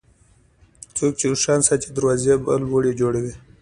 څوک چې اوښان ساتي، دروازې به لوړې جوړوي.